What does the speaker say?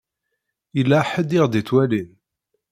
Yella ḥedd i ɣ-d-ittwalin.